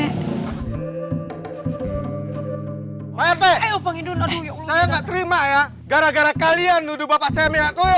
saya nggak terima ya gara gara kalian nuduh bapak saya mihakwa